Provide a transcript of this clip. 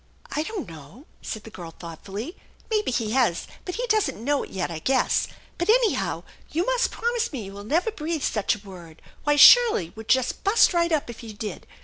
I don't know," said the girl thoughtfully ;" maybe he has, but he doesn't know it yet, I guess. But anyhow you must promise me you will never breathe such a word. Why, Shirley would just bust right up if you did.